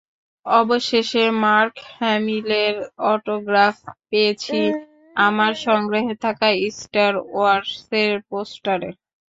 অবশেষে মার্ক হ্যামিলের অটোগ্রাফ পেয়েছি আমার সংগ্রহে থাকা স্টার ওয়ার্সের পোস্টারে।